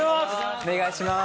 お願いします。